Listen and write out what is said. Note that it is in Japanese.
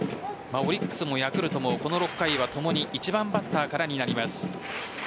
オリックスもヤクルトもこの６回は共に１番バッターからになります。